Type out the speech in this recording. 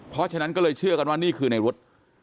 เพราะฉะนั้นก็เลยเชื่อกันว่านี่คือในรถ